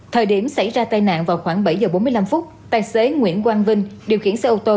thời điểm xảy ra tai nạn vào khoảng bảy giờ bốn mươi năm phút tài xế nguyễn quang vinh điều khiển xe ô tô